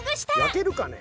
焼けるかね？